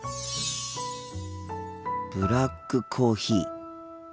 ブラックコーヒー。